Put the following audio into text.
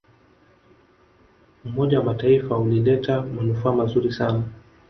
umoja wa mataifa ulileta manufaa mazuri sana